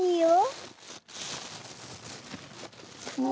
いいよ。